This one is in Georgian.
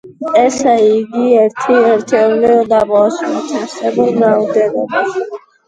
ესე იგი, ერთი ერთეული უნდა მოვაშოროთ არსებულ რაოდენობას.